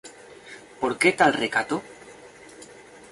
¿Por qué tal recato?